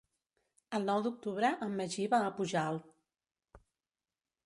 El nou d'octubre en Magí va a Pujalt.